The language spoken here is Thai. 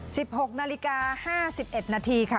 หกนาฬิกาห้าสิบเอ็ดนาทีค่ะ